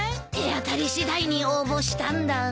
手当たり次第に応募したんだ。